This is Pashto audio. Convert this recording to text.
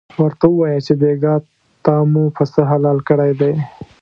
ورته ووایه چې بېګاه ته مو پسه حلال کړی دی.